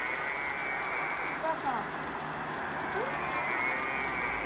お母さんうん？